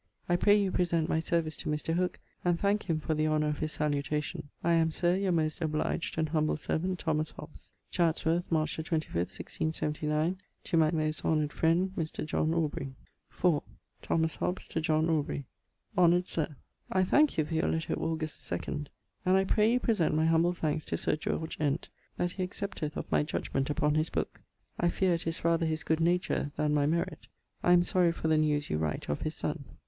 I pray you present my service to Mr. Hooke and thanke him for the honour of his salutation. I am, Sir, your most obliged and humble servant, THOMAS HOBBES. Chatsworth, March the 25ᵗʰ, 1679. To my most honoured frend, Mr. John Aubrey. iv. Thomas Hobbes to John Aubrey. Honored Sir, I thanke you for your letter of Aug. 2ᵈ, and I pray you present my humble thanks to Sir George Ent that he accepteth of my judgment upon his booke. I fear it is rather his good nature then my merit. I am sorry for the news you write of his son.